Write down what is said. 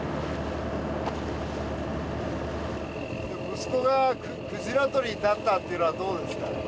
息子が鯨とりになったっていうのはどうですか？